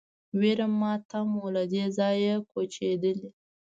ویر ماتم و له دې ځایه کوچېدلی